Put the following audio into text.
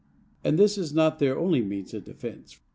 But this is not their only means of defense.